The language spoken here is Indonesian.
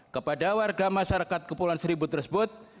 kepada warga masyarakat kepulauan seribu tersebut